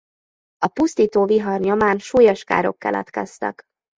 A pusztító vihar nyomán súlyos károk keletkeztek.